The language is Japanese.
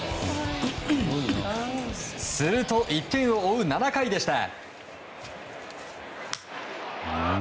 すると、１点を追う７回でした。